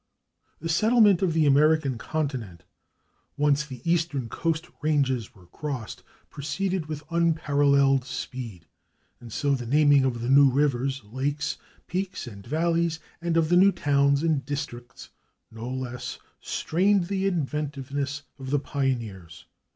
The settlement of the American continent, once the eastern coast ranges were crossed, proceeded with unparalleled speed, and so the naming of the new rivers, lakes, peaks and valleys, and of the new towns and districts no less, strained the inventiveness of the pioneers.